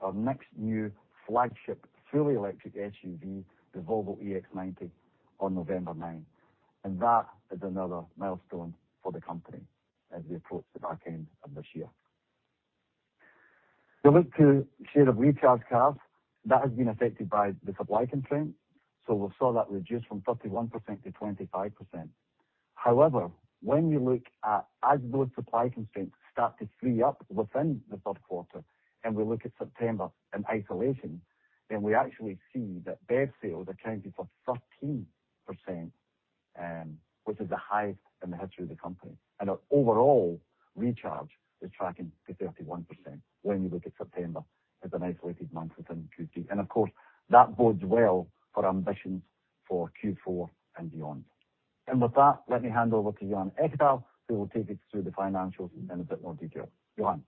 Our next new flagship fully electric SUV, the Volvo EX90, on November nine. That is another milestone for the company as we approach the back end of this year. You look to share of recharge cars, that has been affected by the supply constraints, so we saw that reduce from 31% to 25%. However, when you look at as those supply constraints start to free up within the Q3 and we look at September in isolation, then we actually see that BEV sales accounted for 13%, which is the highest in the history of the company. Our overall recharge is tracking to 31% when you look at September as an isolated month within Q3. Of course, that bodes well for ambitions for Q4 and beyond. With that, let me hand over to Johan Ekdahl, who will take us through the financials in a bit more detail. Johan?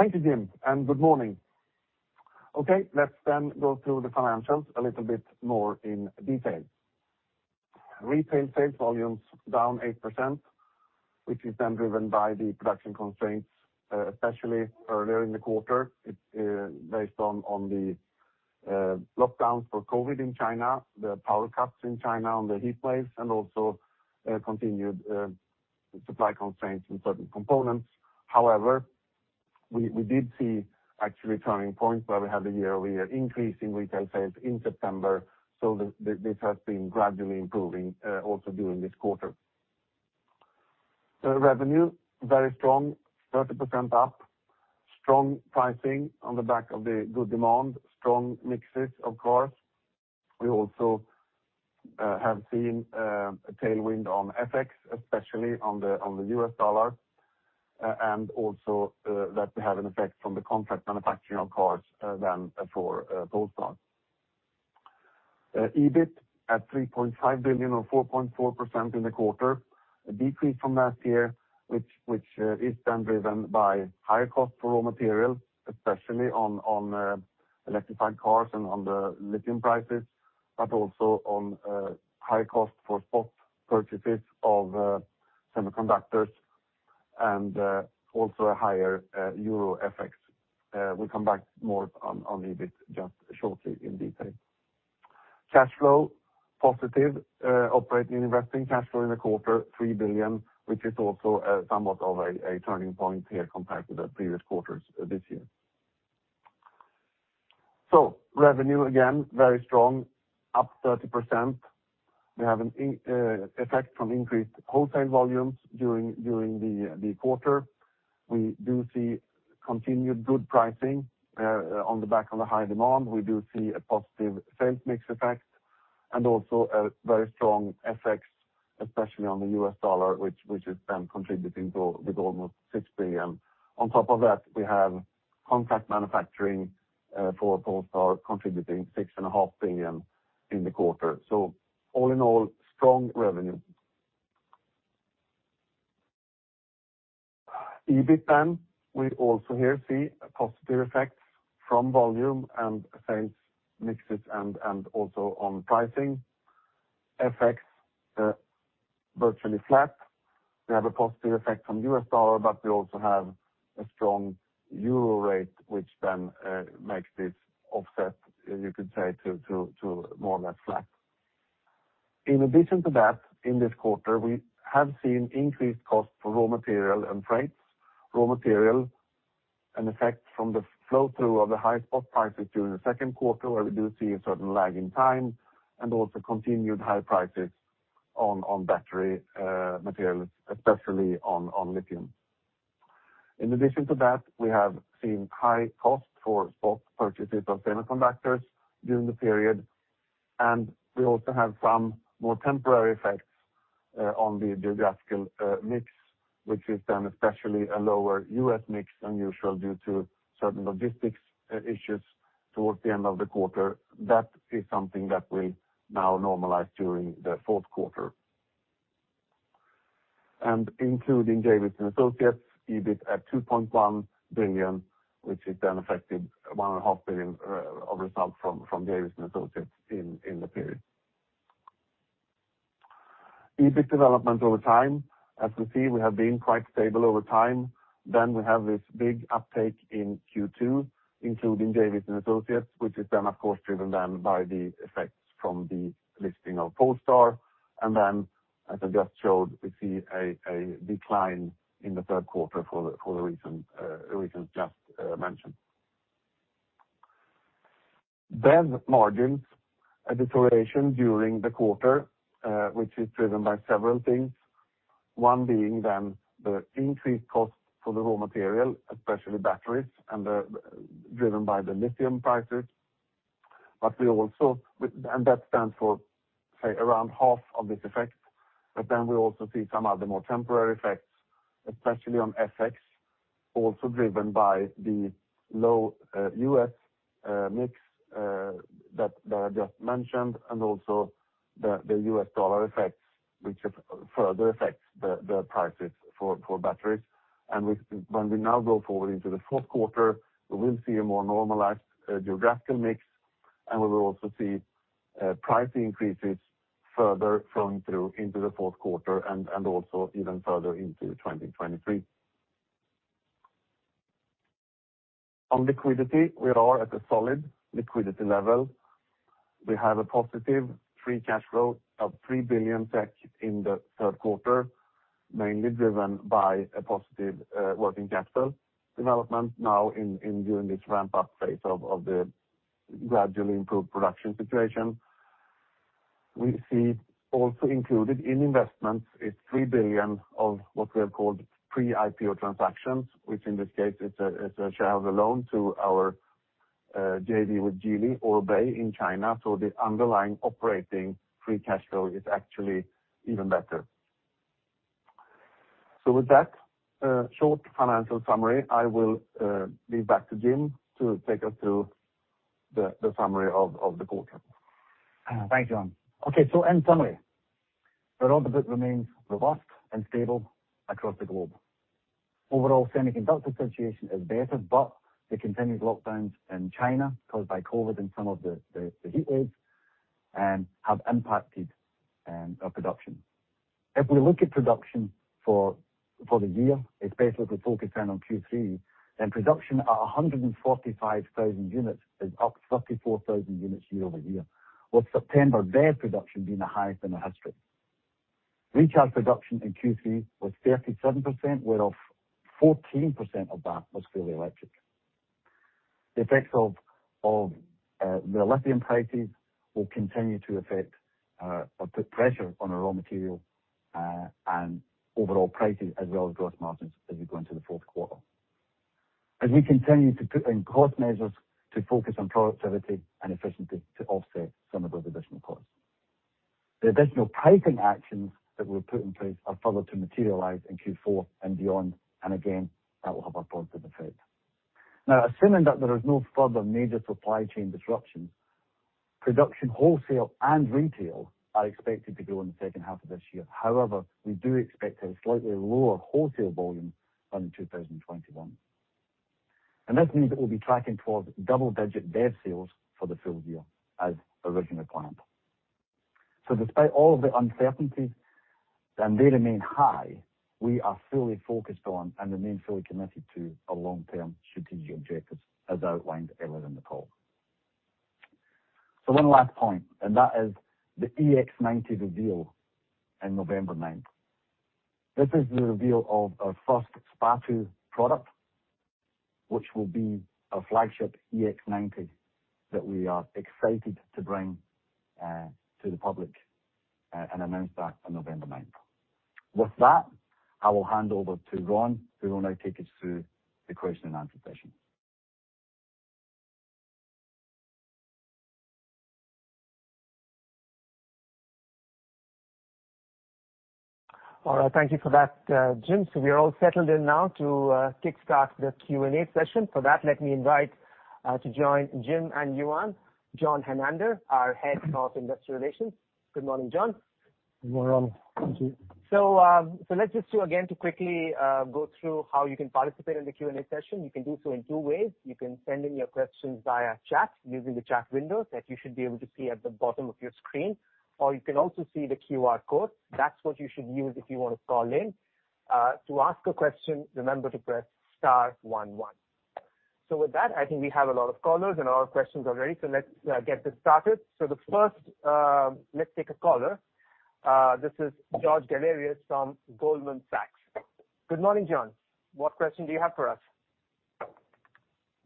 Thank you, Jim, and good morning. Okay, let's then go through the financials a little bit more in detail. Retail sales volumes down 8%, which is then driven by the production constraints, especially earlier in the quarter. It's based on the lockdowns for COVID in China, the power cuts in China and the heat waves, and also continued supply constraints in certain components. However, we did see actually turning points where we had a year-over-year increase in retail sales in September. This has been gradually improving, also during this quarter. Revenue, very strong, 30% up. Strong pricing on the back of the good demand. Strong mixes, of course. We also have seen a tailwind on FX, especially on the US dollar, and also that we have an effect from the contract manufacturing of cars then for Polestar. EBIT at 3.5 billion or 4.4% in the quarter. A decrease from last year, which is then driven by higher cost for raw materials, especially on electrified cars and on the lithium prices, but also on high cost for spot purchases of semiconductors and also a higher euro FX. We'll come back more on EBIT just shortly in detail. Cash flow positive. Operating and investing cash flow in the quarter, 3 billion, which is also somewhat of a turning point here compared to the previous quarters this year. Revenue, again, very strong, up 30%. We have an effect from increased wholesale volumes during the quarter. We do see continued good pricing on the back of high demand. We do see a positive sales mix effect and also a very strong FX, especially on the US dollar, which is then contributing with almost 6 billion. On top of that, we have contract manufacturing for Polestar contributing 6.5 billion in the quarter. All in all, strong revenue. EBIT, we also here see a positive effect from volume and sales mixes and also on pricing. FX virtually flat. We have a positive effect from US dollar, but we also have a strong euro rate, which then makes this offset, you could say, to more or less flat. In addition to that, in this quarter, we have seen increased costs for raw material and freights. Raw material, an effect from the flow-through of the high spot prices during the Q2, where we do see a certain lag in time, and also continued high prices on battery materials, especially on lithium. In addition to that, we have seen high costs for spot purchases of semiconductors during the period, and we also have some more temporary effects on the geographical mix, which is then especially a lower U.S. mix than usual due to certain logistics issues towards the end of the quarter. That is something that will now normalize during the Q4. Including Associated Companies, EBIT at 2.1 billion, which is then affected 1.5 billion of results from Associated Companies in the period. EBIT development over time. As we see, we have been quite stable over time. We have this big uptake in Q2, including Associated Companies, which is then, of course, driven then by the effects from the listing of Polestar. As I just showed, we see a decline in the Q3 for the reasons just mentioned. BEV margins, a deterioration during the quarter, which is driven by several things. One being the increased cost for the raw material, especially batteries and driven by the lithium prices. That stands for, say, around half of this effect. We also see some other more temporary effects, especially on FX, also driven by the low US mix that I just mentioned, and also the US dollar effects which have further affected the prices for batteries. When we now go forward into the Q4, we will see a more normalized geographical mix, and we will also see price increases further flowing through into the Q4 and also even further into 2023. On liquidity, we are at a solid liquidity level. We have a positive free cash flow of 3 billion SEK in the, mainly driven by a positive working capital development now during this ramp-up phase of the gradually improved production situation. We see also included in investments is 3 billion of what we have called pre-IPO transactions, which in this case is a share of the loan to our JV with Geely, Aurobay, in China. The underlying operating free cash flow is actually even better. With that short financial summary, I will give back to Jim to take us through the summary of the quarter. Thank you. Okay, in summary, the order book remains robust and stable across the globe. Overall semiconductor situation is better, but the continued lockdowns in China caused by COVID and some of the heatwaves have impacted our production. If we look at production for the year, especially if we focus in on Q3, then production at 145,000 units is up 34,000 units year-over-year, with September daily production being the highest in our history. Recharge production in Q3 was 37%, whereof 14% of that was fully electric. The effects of the lithium prices will continue to affect or put pressure on our raw material and overall prices as well as gross margins as we go into the Q4. We continue to put in cost measures to focus on productivity and efficiency to offset some of those additional costs. The additional pricing actions that were put in place are further to materialize in Q4 and beyond, and again, that will have a positive effect. Now, assuming that there is no further major supply chain disruptions, production wholesale and retail are expected to grow in the second half of this year. However, we do expect a slightly lower wholesale volume than in 2021. This means that we'll be tracking towards double-digit EV sales for the full year as originally planned. Despite all of the uncertainties, and they remain high, we are fully focused on and remain fully committed to our long-term strategic objectives as outlined earlier in the call. One last point, and that is the EX90 reveal in November ninth. This is the reveal of our first SPA2 product, which will be our flagship EX90 that we are excited to bring to the public and announce that on November ninth. With that, I will hand over to Ron, who will now take us through the question and answer session. All right. Thank you for that, Jim. We are all settled in now to kickstart the Q&A session. For that, let me invite to join Jim and Johan, John Hernander, our Head of Investor Relations. Good morning, John. Good morning, Ron. Thank you. Let's just do it again to quickly go through how you can participate in the Q&A session. You can do so in two ways. You can send in your questions via chat using the chat window that you should be able to see at the bottom of your screen, or you can also see the QR code. That's what you should use if you want to call in to ask a question. Remember to press star one one. With that, I think we have a lot of callers and a lot of questions already. Let's get this started. Let's take the first caller. This is George Galliers from Goldman Sachs. Good morning, George. What question do you have for us?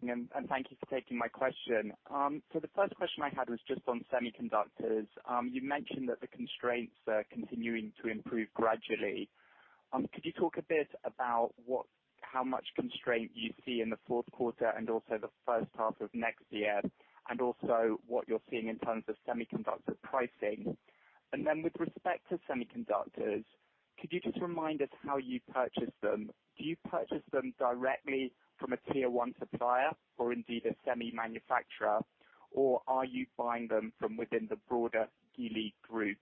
Thank you for taking my question. The first question I had was just on semiconductors. You mentioned that the constraints are continuing to improve gradually. Could you talk a bit about how much constraint you see in the Q4 and also the first half of next year, and also what you're seeing in terms of semiconductor pricing? With respect to semiconductors, could you just remind us how you purchase them? Do you purchase them directly from a tier one supplier or indeed a semi manufacturer, or are you buying them from within the broader Geely group?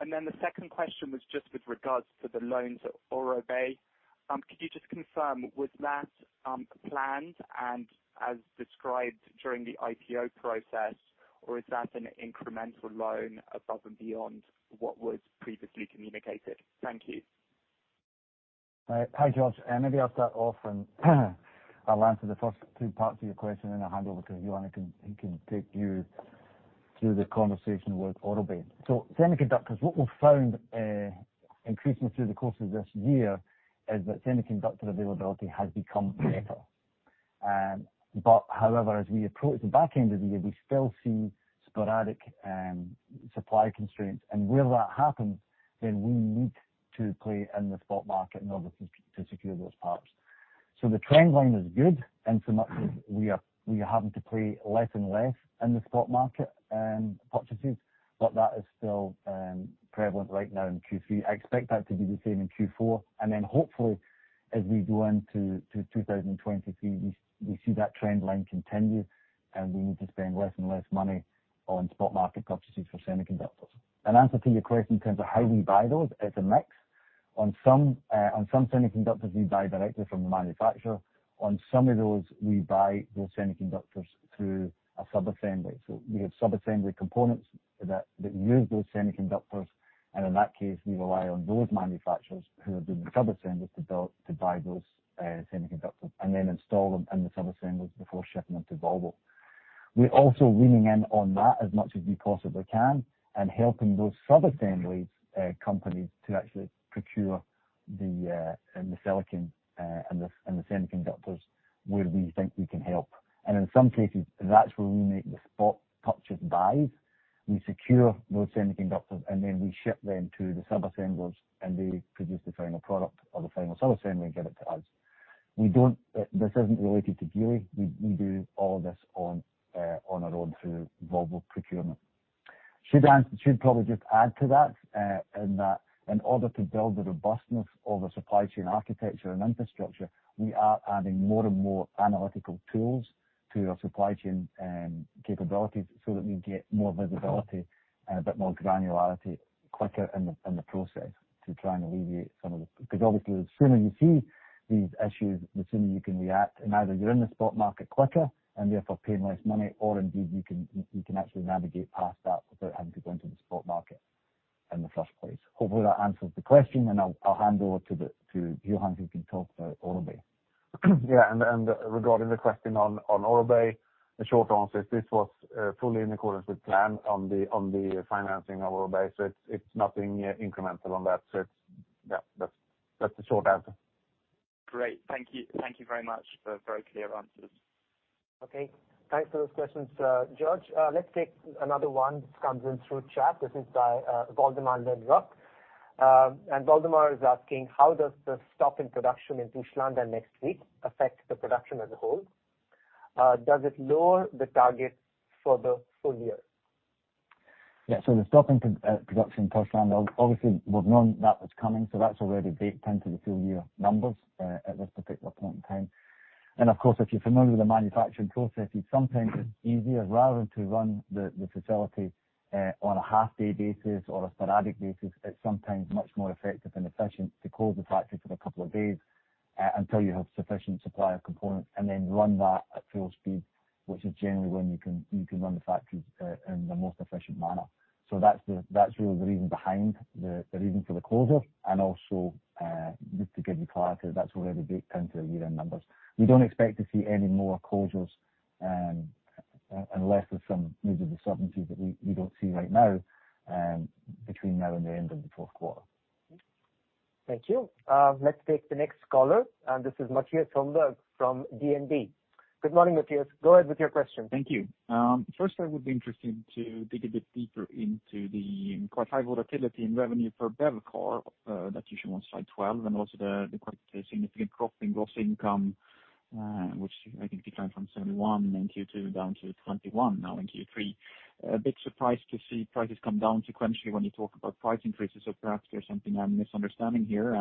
The second question was just with regards to the loans at Aurobay. Could you just confirm, was that planned and as described during the IPO process, or is that an incremental loan above and beyond what was previously communicated? Thank you. Hi, George. Maybe I'll start off, and I'll answer the first two parts of your question, and I'll hand over to Johan who can take you through the conversation with Aurobay. Semiconductors, what we've found increasingly through the course of this year is that semiconductor availability has become better. But however, as we approach the back end of the year, we still see sporadic supply constraints. Where that happens, then we need to play in the spot market in order to secure those parts. The trend line is good, and so much as we are having to play less and less in the spot market and purchases, but that is still prevalent right now in Q3. I expect that to be the same in Q4. Hopefully as we go into 2023, we see that trend line continue, and we need to spend less and less money on spot market purchases for semiconductors. In answer to your question in terms of how we buy those, it's a mix. On some semiconductors, we buy directly from the manufacturer. On some of those, we buy those semiconductors through a sub-assembly. We have sub-assembly components that use those semiconductors, and in that case, we rely on those manufacturers who are doing the sub-assemblies to buy those semiconductors, and then install them in the sub-assemblies before shipping them to Volvo. We're also leaning in on that as much as we possibly can and helping those sub-assemblies companies to actually procure the silicon and the semiconductors where we think we can help. In some cases, that's where we make the spot purchase buys. We secure those semiconductors, and then we ship them to the sub-assemblers, and they produce the final product or the final sub-assembly and give it to us. This isn't related to Geely. We do all this on our own through Volvo procurement. should probably just add to that, in that, in order to build the robustness of a supply chain architecture and infrastructure, we are adding more and more analytical tools to our supply chain capabilities so that we get more visibility and a bit more granularity quicker in the process to try and alleviate some of the, because obviously the sooner you see these issues, the sooner you can react. Either you're in the spot market quicker and therefore paying less money, or indeed you can actually navigate past that without having to go into the spot market in the first place. Hopefully that answers the question, and I'll hand over to Johan, who can talk about Aurobay. Yeah. Regarding the question on Aurobay, the short answer is this was fully in accordance with plan on the financing of Aurobay. It's nothing incremental on that. Yeah. That's the short answer. Great. Thank you. Thank you very much for very clear answers. Okay. Thanks for those questions, George. Let's take another one that comes in through chat. This is by Waldemar Lindrück. And Waldemar is asking, how does the stop in production in Torslanda next week affect the production as a whole? Does it lower the target for the full year? The stop in production in Torslanda, obviously we've known that was coming, so that's already baked into the full year numbers, at this particular point in time. Of course, if you're familiar with the manufacturing process, it's sometimes easier, rather than to run the facility on a half-day basis or a sporadic basis, it's sometimes much more effective and efficient to close the factory for a couple of days until you have sufficient supply of components, and then run that at full speed, which is generally when you can run the factory in the most efficient manner. That's really the reason behind the reason for the closure. Also, just to give you clarity, that's already baked into the year-end numbers. We don't expect to see any more closures, unless there's some major disturbances that we don't see right now, between now and the end of the Q4. Thank you. Let's take the next caller, this is Mattias Holmberg from DNB. Good morning, Mattias. Go ahead with your question. Thank you. First I would be interested to dig a bit deeper into the quite high volatility in revenue for BEV Core that you show on slide 12, and also the quite significant drop in gross income, which I think declined from 71% in Q2 down to 21% now in Q3. A bit surprised to see prices come down sequentially when you talk about price increases, so perhaps there's something I'm misunderstanding here.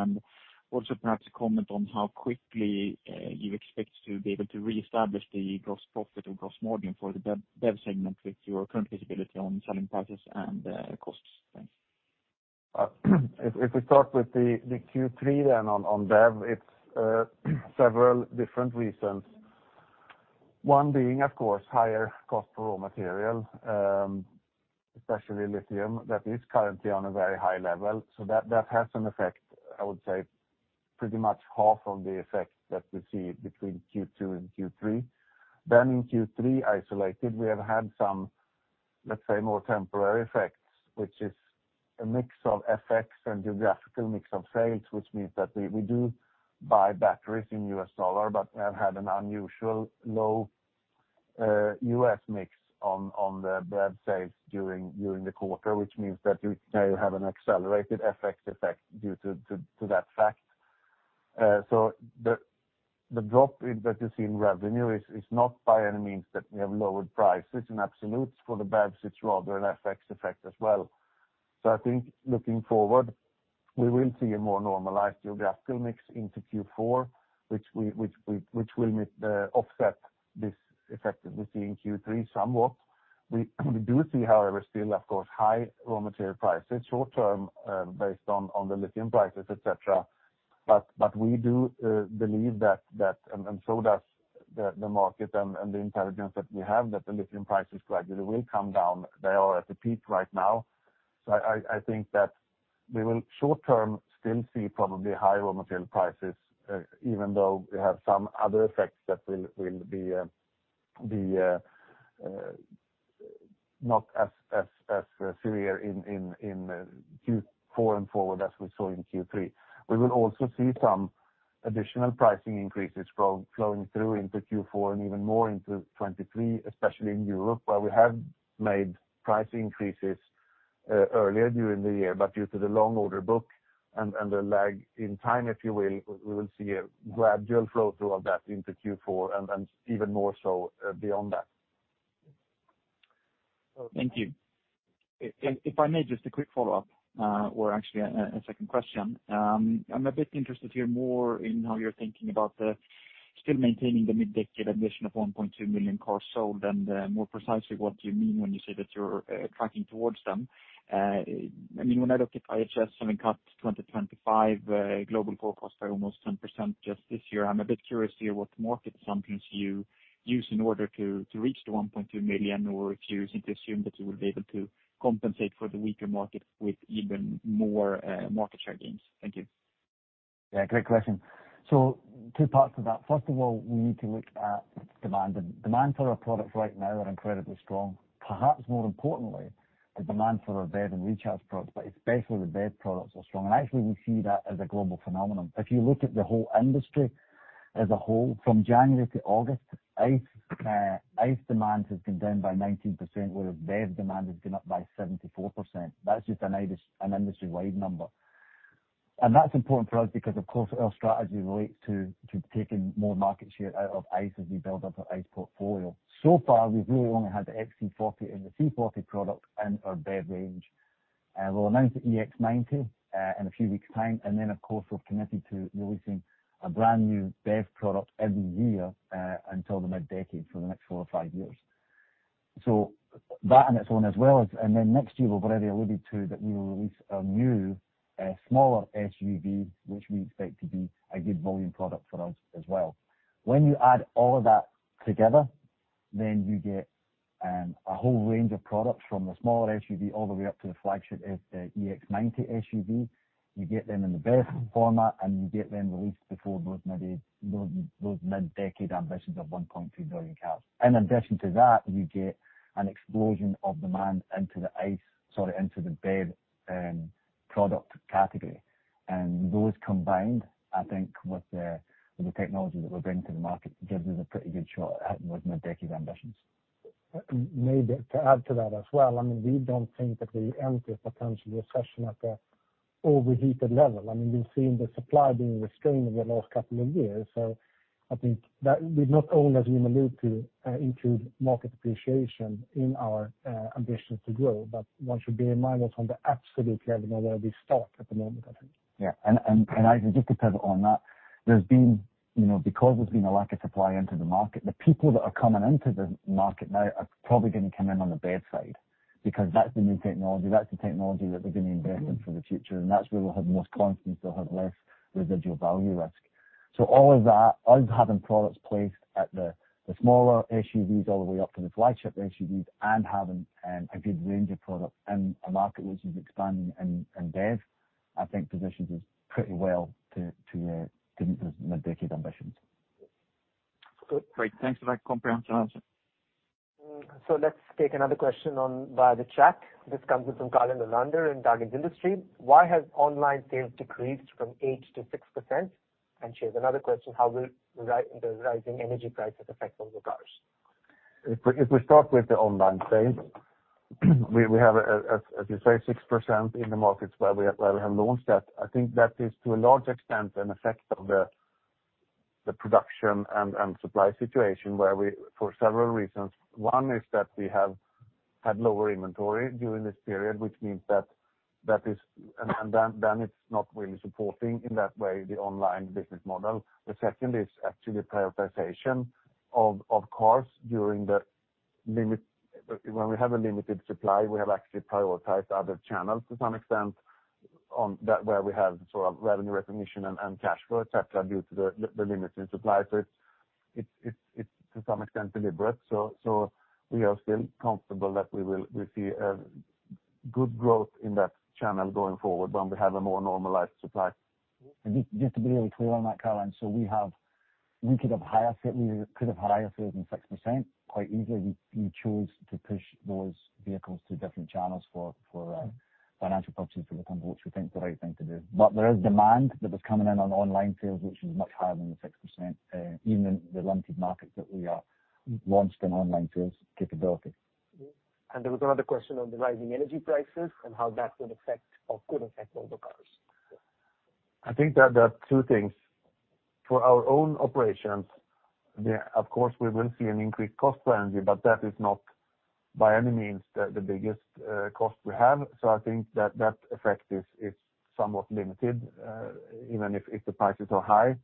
Also perhaps a comment on how quickly you expect to be able to reestablish the gross profit or gross margin for the BEV segment with your current visibility on selling prices and costs. Thanks. If we start with the Q3, then on BEV, it's several different reasons. One being, of course, higher cost for raw material, especially lithium, that is currently on a very high level. That has an effect, I would say pretty much half of the effect that we see between Q2 and Q3. In Q3 isolated, we have had some, let's say, more temporary effects, which is a mix of effects and geographical mix of sales, which means that we do buy batteries in U.S. dollar but have had an unusually low U.S. mix on the BEV sales during the quarter, which means that you now have an accelerated FX effect due to that fact. The drop in that you see in revenue is not by any means that we have lowered prices in absolutes for the BEVs, it's rather an FX effect as well. I think looking forward, we will see a more normalized geographical mix into Q4 which will offset this effect that we see in Q3 somewhat. We do see, however, still of course high raw material prices short term, based on the lithium prices, et cetera. We do believe that, and so does the market and the intelligence that we have, that the lithium prices gradually will come down. They are at the peak right now. I think that we will short term still see probably high raw material prices, even though we have some other effects that will be not as severe in Q4 and forward as we saw in Q3. We will also see some additional pricing increases flowing through into Q4 and even more into 2023, especially in Europe, where we have made price increases earlier during the year, but due to the long order book and the lag in time, if you will, we will see a gradual flow through of that into Q4 and even more so beyond that. Thank you. If I may just a quick follow-up, or actually a second question. I'm a bit interested to hear more in how you're thinking about the still maintaining the mid-decade ambition of 1.2 million cars sold, and, more precisely what you mean when you say that you're tracking towards them. I mean, when I look at IHS having cut 2025 global forecast by almost 10% just this year, I'm a bit curious to hear what market assumptions you use in order to reach the 1.2 million, or if you seem to assume that you will be able to compensate for the weaker market with even more market share gains. Thank you. Yeah, great question. So two parts to that. First of all, we need to look at demand. Demand for our products right now are incredibly strong. Perhaps more importantly, the demand for our BEV and recharge products, but especially the BEV products are strong. Actually, we see that as a global phenomenon. If you look at the whole industry as a whole, from January to August, ICE demand has been down by 19%, whereas BEV demand has been up by 74%. That's just an IHS industry-wide number. That's important for us because, of course, our strategy relates to taking more market share out of ICE as we build up our BEV portfolio. So far, we've really only had the XC40 and the C40 product in our BEV range. We'll announce the EX90 in a few weeks' time, and then, of course, we're committed to releasing a brand-new BEV product every year until the mid-decade for the next four or five years. Next year, we've already alluded to that we will release a new smaller SUV, which we expect to be a good volume product for us as well. When you add all of that together, then you get a whole range of products from the smaller SUV all the way up to the flagship EX90 SUV. You get them in the BEV format, and you get them released before those mid-decade ambitions of 1.2 billion cars. In addition to that, you get an explosion of demand into the BEV product category. Those combined, I think with the technology that we're bringing to the market, gives us a pretty good shot at hitting those mid-decade ambitions. Maybe to add to that as well, I mean, we don't think that we enter a potential recession at the overheated level. I mean, we've seen the supply being restrained over the last couple of years. I think that we not only, as we alluded to, include market appreciation in our ambitions to grow, but one should bear in mind also on the absolute level where we start at the moment, I think. Yeah. Eisa,[and if I can] just to pivot on that, there's been you know, because there's been a lack of supply into the market, the people that are coming into the market now are probably gonna come in on the BEV side because that's the new technology, that's the technology that they're gonna invest in for the future, and that's where we'll have the most confidence they'll have less residual value risk. So all of that, us having products placed at the smaller SUVs all the way up to the flagship SUVs and having a good range of products in a market which is expanding in BEV, I think positions us pretty well to meet those mid-decade ambitions. Good. Great. Thanks for that comprehensive answer. Let's take another question via the chat. This comes in from Caroline Lalander in Dagens Industri. Why has online sales decreased from 8% to 6%? She has another question: How will the rising energy prices affect Volvo Cars? If we start with the online sales, we have, as you say, 6% in the markets where we have launched that. I think that is to a large extent an effect of the production and supply situation where we for several reasons. One is that we have had lower inventory during this period, which means that is. It's not really supporting in that way the online business model. The second is actually prioritization of course during the limit. When we have a limited supply, we have actually prioritized other channels to some extent on that where we have sort of revenue recognition and cash flow, et cetera, due to the limits in supply. It's to some extent deliberate. We are still comfortable that we will receive good growth in that channel going forward when we have a more normalized supply. Just to be really clear on that, Caroline, we could have higher sales than 6% quite easily. We chose to push those vehicles to different channels for financial purposes to become what we think the right thing to do. There is demand that is coming in on online sales, which is much higher than the 6%, even in the limited markets that we are launched in online sales capability. There was another question on the rising energy prices and how that would affect or could affect Volvo Cars. I think that there are two things. For our own operations, yeah, of course, we will see an increased cost for energy, but that is not by any means the biggest cost we have. I think that that effect is somewhat limited, even if the prices are high.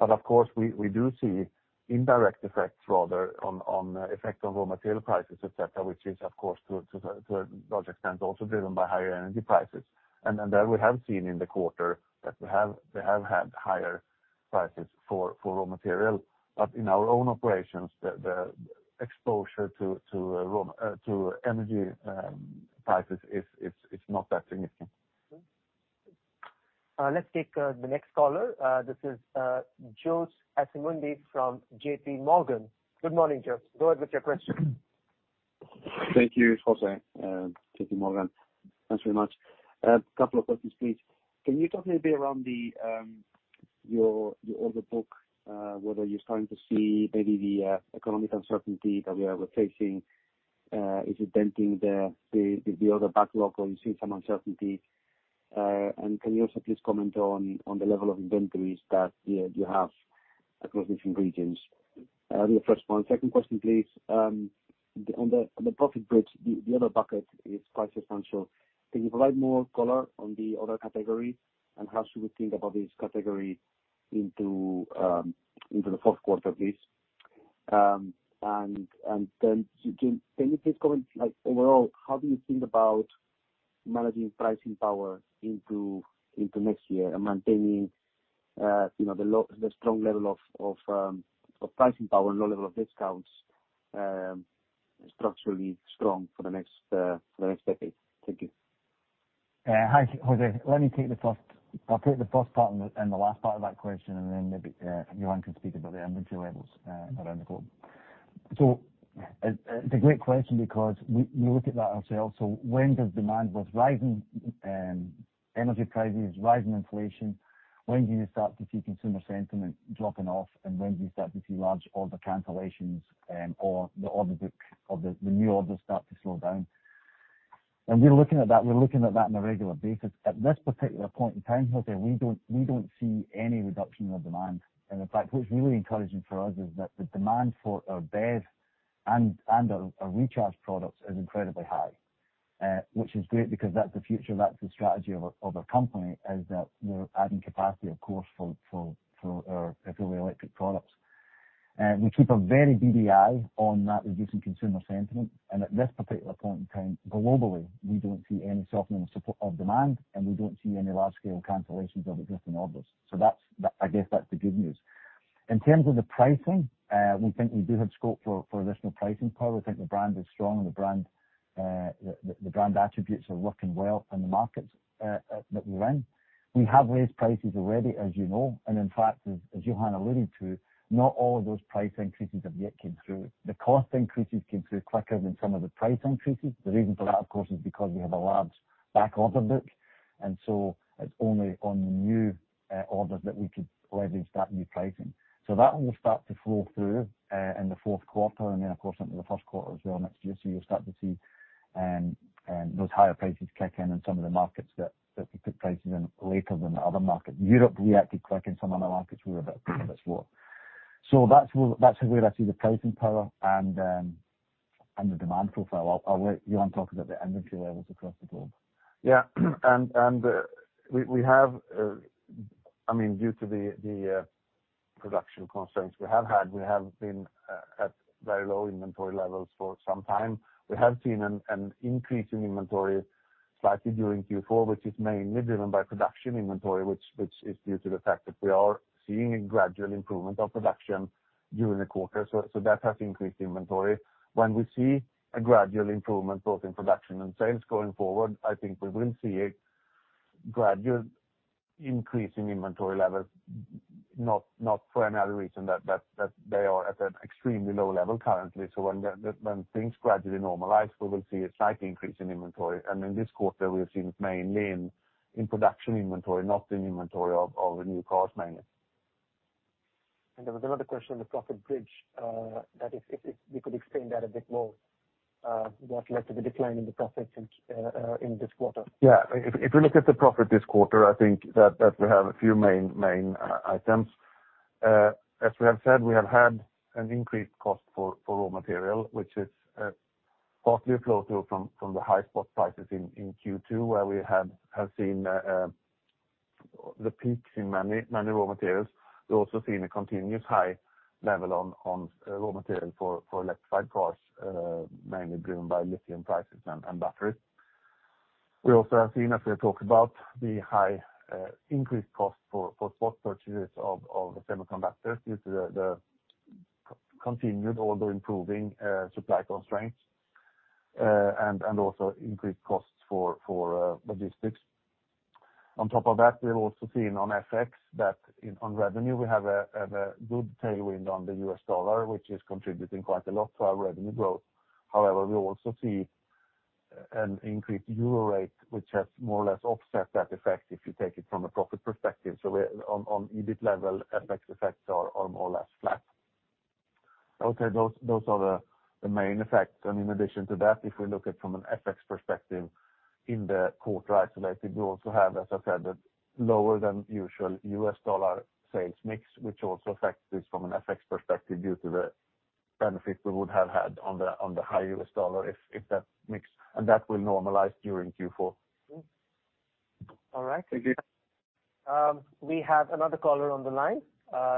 Of course, we do see indirect effects rather on effect on raw material prices, et cetera, which is of course to a large extent also driven by higher energy prices. There we have seen in the quarter that we have had higher prices for raw material. In our own operations, the exposure to energy prices is not that significant. Let's take the next caller. This is Jose Asumendi from JPMorgan. Good morning, Joe. Go ahead with your question. Thank you, Jose. JPMorgan. Thanks very much. A couple of questions, please. Can you talk a little bit around your order book, whether you're starting to see maybe the economic uncertainty that we are facing, is it denting the other backlog or are you seeing some uncertainty? Can you also please comment on the level of inventories that you have across different regions? The first one. Second question, please, on the profit bridge, the other bucket is quite substantial. Can you provide more color on the other categories and how should we think about this category into the Q4, please? Can you please comment, like overall, how do you think about managing pricing power into next year and maintaining, you know, the strong level of pricing power and low level of discounts, structurally strong for the next decade? Thank you. Hi, Jose. I'll take the first part and the last part of that question, and then maybe Johan can speak about the inventory levels around the globe. It's a great question because we look at that ourselves. When does demand with rising energy prices, rising inflation, when do you start to see consumer sentiment dropping off, and when do you start to see large order cancellations, or the order book or the new orders start to slow down? We're looking at that on a regular basis. At this particular point in time, Jose, we don't see any reduction in demand. In fact, what's really encouraging for us is that the demand for our BEV and our recharge products is incredibly high. Which is great because that's the future, that's the strategy of our company, is that we're adding capacity of course for our fully electric products. We keep a very beady eye on the reducing consumer sentiment. At this particular point in time, globally, we don't see any softening of support of demand, and we don't see any large-scale cancellations of existing orders. That's that. I guess that's the good news. In terms of the pricing, we think we do have scope for additional pricing power. We think the brand is strong and the brand attributes are working well in the markets that we're in. We have raised prices already, as you know. In fact, as Johan alluded to, not all of those price increases have yet came through. The cost increases came through quicker than some of the price increases. The reason for that, of course, is because we have a large back order book, and so it's only on the new orders that we could leverage that new pricing. That will start to flow through in the Q4 and then of course into the Q1 as well next year. You'll start to see those higher prices kick in in some of the markets that we put prices in later than the other markets. Europe reacted quick and some other markets were a bit slower. That's where I see the pricing power and the demand profile. I'll let Johan talk about the inventory levels across the globe. Yeah. We have, I mean, due to the production constraints we have had, we have been at very low inventory levels for some time. We have seen an increase in inventory slightly during Q4, which is mainly driven by production inventory, which is due to the fact that we are seeing a gradual improvement of production during the quarter. That has increased inventory. When we see a gradual improvement both in production and sales going forward, I think we will see a gradual increase in inventory levels. Not for any other reason than that they are at an extremely low level currently. When things gradually normalize, we will see a slight increase in inventory. In this quarter we have seen it mainly in production inventory, not in inventory of new cars mainly. There was another question on the profit bridge, that if we could explain that a bit more. What led to the decline in the profits in this quarter? Yeah. If we look at the profit this quarter, I think that we have a few main items. As we have said, we have had an increased cost for raw material, which is partly a flow through from the high spot prices in Q2, where we have seen the peaks in many raw materials. We're also seeing a continuous high level on raw material for electrified cars, mainly driven by lithium prices and batteries. We also have seen, as we have talked about, the high increased cost for spot purchases of semiconductors due to the continued, although improving, supply constraints, and also increased costs for logistics. On top of that, we have also seen on FX that on revenue we have a good tailwind on the US dollar, which is contributing quite a lot to our revenue growth. However, we also see an increased euro rate, which has more or less offset that effect if you take it from a profit perspective. We're on EBIT level, FX effects are more or less flat. Okay. Those are the main effects. In addition to that, if we look at from an FX perspective, in the quarter isolated, we also have, as I said, a lower than usual US dollar sales mix, which also affects this from an FX perspective due to the benefit we would have had on the high US dollar if that mix. That will normalize during Q4. All right. Thank you. We have another caller on the line.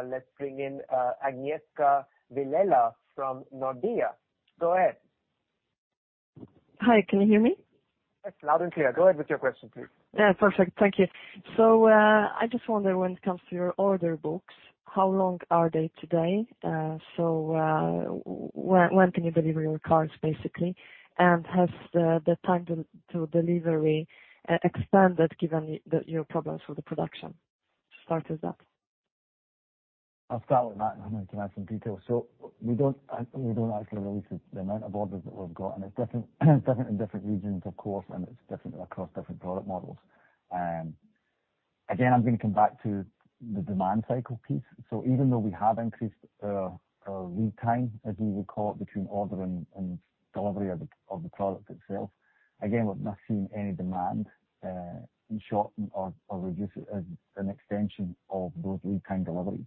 Let's bring in Agnieszka Vilela from Nordea. Go ahead. Hi, can you hear me? Yes, loud and clear. Go ahead with your question, please. Yeah. Perfect. Thank you. I just wonder when it comes to your order books, how long are they today? When can you deliver your cars, basically? Has the time to delivery expanded given your problems with the production? To start with that. I'll start with that, and then I can add some details. We don't actually release the amount of orders that we've got, and it's different in different regions, of course, and it's different across different product models. Again, I'm gonna come back to the demand cycle piece. Even though we have increased our lead time as we would call it, between order and delivery of the product itself, again, we've not seen any demand in shortening or reducing it as an extension of those lead time deliveries.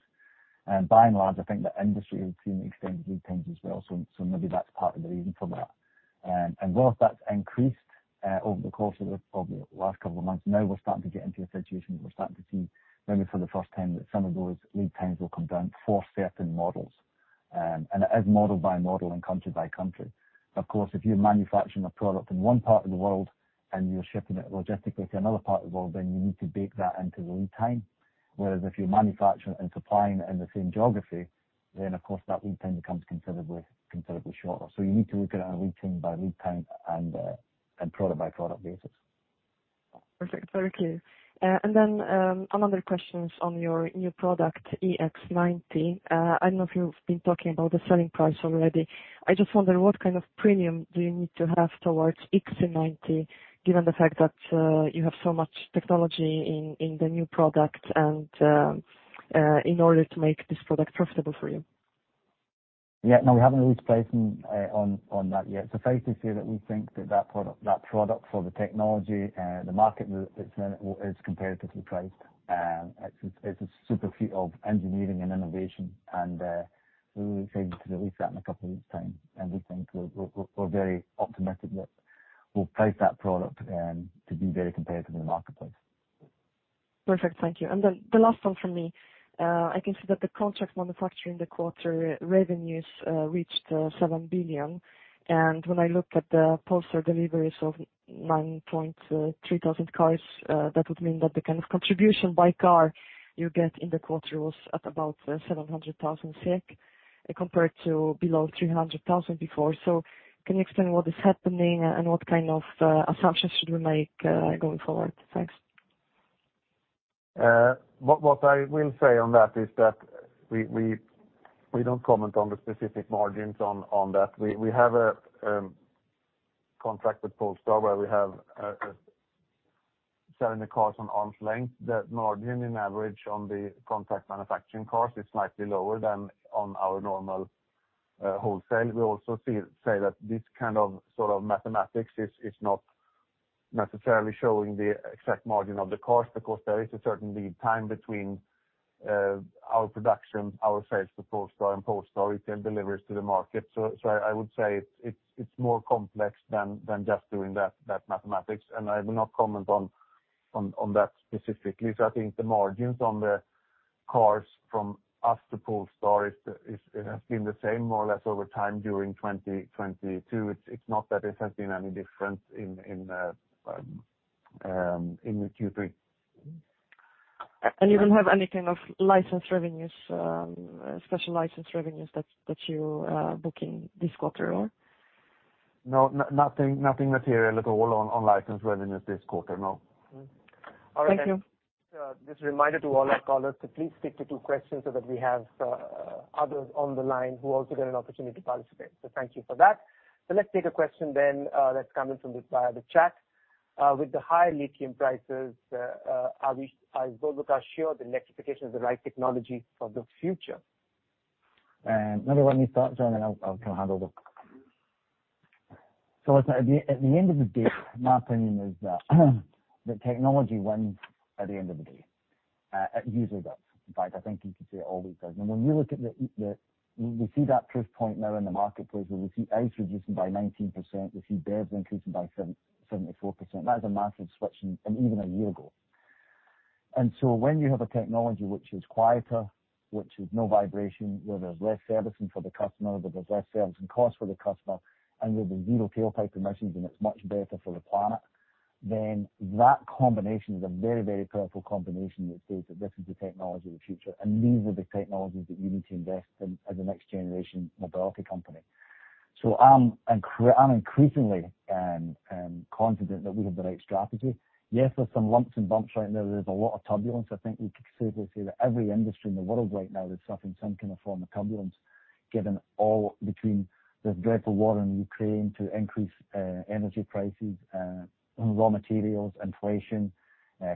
By and large, I think the industry has seen extended lead times as well, so maybe that's part of the reason for that. While that's increased over the course of probably the last couple of months, now we're starting to get into a situation where we're starting to see maybe for the first time that some of those lead times will come down for certain models, and it is model by model and country by country. Of course, if you're manufacturing a product in one part of the world and you're shipping it logistically to another part of the world, then you need to bake that into the lead time. Whereas if you're manufacturing and supplying it in the same geography, then of course that lead time becomes considerably shorter. You need to look at it on a lead time by lead time and product by product basis. Perfect. Very clear. Another question is on your new product, EX90. I don't know if you've been talking about the selling price already. I just wonder what kind of premium do you need to have towards EX90 given the fact that you have so much technology in the new product and in order to make this product profitable for you? Yeah, no, we haven't released pricing on that yet. Suffice to say that we think that product for the technology, the market it's in is competitively priced. It's a super feat of engineering and innovation and we will be starting to release that in a couple of weeks' time. We think we're very optimistic that we'll price that product to be very competitive in the marketplace. Perfect. Thank you. Then the last one from me. I can see that the contract manufacturing the quarter revenues reached 7 billion. When I look at the Polestar deliveries of 9,300 cars, that would mean that the kind of contribution by car you get in the quarter was at about 700,000 SEK compared to below 300,000 before. Can you explain what is happening and what kind of assumptions should we make going forward? Thanks. What I will say on that is that we don't comment on the specific margins on that. We have a contract with Polestar where we have selling the cars on arm's length. The margin on average on the contract manufacturing cars is slightly lower than on our normal wholesale. We also say that this kind of sort of mathematics is not necessarily showing the exact margin of the cost because there is a certain lead time between our production, our sales to Polestar and Polestar retail deliveries to the market. I would say it's more complex than just doing that mathematics. I will not comment on that specifically. I think the margins on the cars from us to Polestar is the has been the same more or less over time during 2022. It's not that it has been any different in the Q3. You don't have any kind of license revenues, special license revenues that you booking this quarter or? No. Nothing material at all on license revenues this quarter, no. Thank you. All right. Just a reminder to all our callers to please stick to two questions so that we have others on the line who also get an opportunity to participate. Thank you for that. Let's take a question then that's come in from via the chat. With the high lithium prices, is Volvo Cars sure the electrification is the right technology for the future? Maybe why don't you start, John, and I'll kind of handle the. Listen, at the end of the day, my opinion is that the technology wins at the end of the day. It usually does. In fact, I think you could say it always does. We see that proof point now in the marketplace where we see ICE reducing by 19%, we see BEVs increasing by 774%. That is a massive switch in even a year ago. When you have a technology which is quieter, which has no vibration, where there's less servicing for the customer, where there's less servicing costs for the customer, and where there's zero tailpipe emissions and it's much better for the planet, then that combination is a very, very powerful combination that says that this is the technology of the future, and these are the technologies that you need to invest in as a next generation mobility company. I'm increasingly confident that we have the right strategy. Yes, there's some lumps and bumps right now. There's a lot of turbulence. I think you could safely say that every industry in the world right now is suffering some kind of form of turbulence, given all between this dreadful war in Ukraine to increased energy prices, raw materials, inflation,